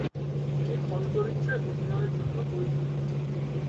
তিনি খলচরিত্রে অভিনয়ের জন্য পরিচিত।